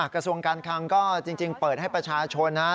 กระทรวงการคังก็จริงเปิดให้ประชาชนนะ